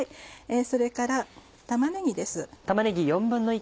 それから玉ねぎです。